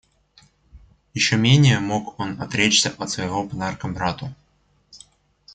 Еще менее мог он отречься от своего подарка брату.